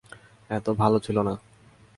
অত ভালো ছিল না।